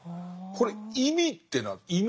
これ意味っていうのは？